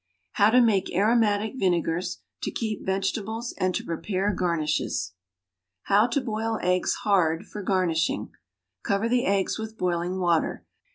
HOW TO MAKE AROMATIC VINEGARS, TO KEEP VEGETABLES AND TO PREPARE GARNISHES. =How to Boil Eggs Hard for Garnishing.= Cover the eggs with boiling water.